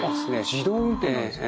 自動運転なんですか。